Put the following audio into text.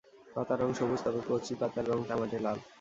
পাতার রং সবুজ, তবে কচি পাতার রং তামাটে লাল।